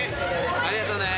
ありがとね。